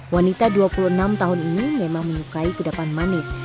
wanita dua puluh enam tahun ini memang menyukai kudapan manis